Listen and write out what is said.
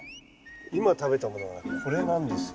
今食べたものはこれなんですよ。